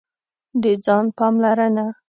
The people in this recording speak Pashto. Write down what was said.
د ځان پاملرنه: